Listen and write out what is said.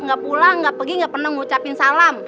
gak pulang gak pergi gak pernah ngucapin salam